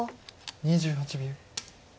２８秒。